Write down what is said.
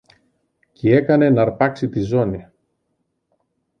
Κι έκανε ν' αρπάξει τη ζώνη.